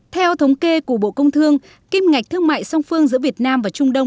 theo thống kê của bộ công thương kim ngạch thương mại song phương giữa việt nam và trung đông